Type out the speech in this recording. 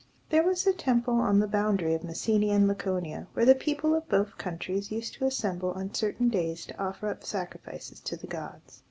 There was a temple on the boundary of Messenia and Laconia, where the people of both countries used to assemble on certain days to offer up sacrifices to the gods.